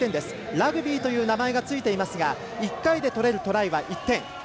ラグビーという名前がついていますが１回で取れるトライは１点。